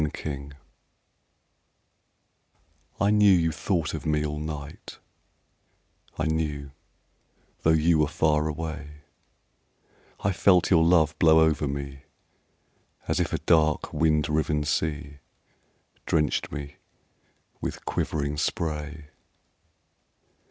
Spray I knew you thought of me all night, I knew, though you were far away; I felt your love blow over me As if a dark wind riven sea Drenched me with quivering spray.